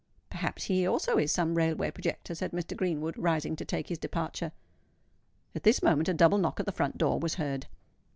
"Perhaps he also is some railway projector," said Mr. Greenwood, rising to take his departure. At this moment a double knock at the front door was heard.